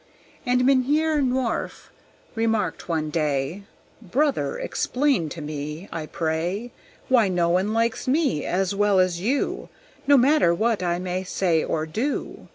And Mynheer Nworf remarked one day, "Brother, explain to me, I pray, Why no one likes me as well as you, No matter what I may say or do.